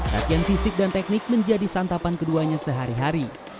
latihan fisik dan teknik menjadi santapan keduanya sehari hari